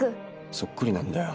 そっくりなんだよ